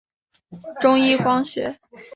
中一光学。